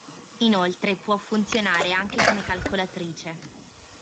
Inoltre può funzionare anche come calcolatrice.